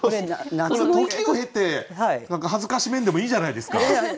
時を経て辱めんでもいいじゃないですか！